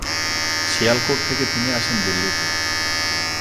শিয়ালকোট থেকে তিনি আসেন দিল্লিতে।